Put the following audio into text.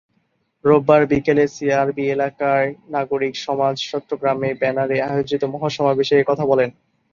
রোববার বিকেলে সিআরবি এলাকায় নাগরিক সমাজ চট্টগ্রামের ব্যানারে আয়োজিত মহাসমাবেশে এ কথা বলেন।